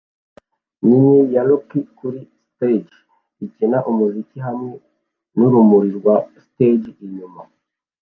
Inyenyeri ya rock kuri stage ikina umuziki hamwe nurumuri rwa stage inyuma